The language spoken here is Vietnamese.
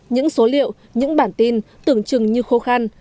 những số liệu những bản tin tưởng chừng như khô khăn